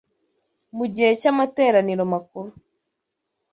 Mu gihe cy’amateraniro makuru,